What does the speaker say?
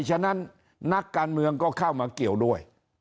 ฉะนั้นนักการเมืองก็เข้ามาเกี่ยวด้วย